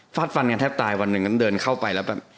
ฟาดฟันกันแทบตายวันหนึ่งนั้นเดินเข้าไปแล้วแบบ